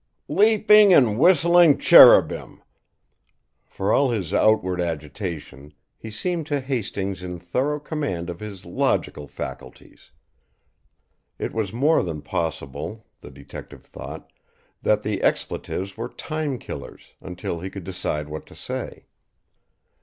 "Leaping and whistling cherubim!" For all his outward agitation, he seemed to Hastings in thorough command of his logical faculties; it was more than possible, the detective thought, that the expletives were time killers, until he could decide what to say.